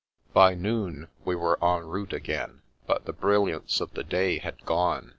By noon we were en route again, but the brilliance of the day had gone.